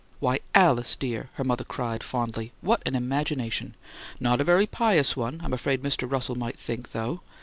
"Why, Alice dear!" her mother cried, fondly. "What an imagination! Not a very pious one, I'm afraid Mr. Russell might think, though!"